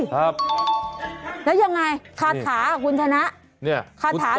แล้วยังไงคาถาคุณธนะคาถามีไหม